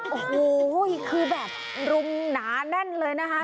โอ้โหคือแบบรุมหนาแน่นเลยนะคะ